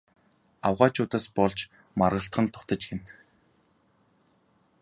Авгайчуудаас болж маргалдах л дутаж гэнэ.